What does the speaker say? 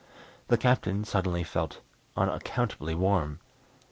The Captain suddenly felt unaccountably warm.